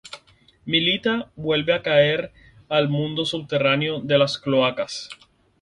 Milita vuelve a caer al mundo subterráneo de las cloacas.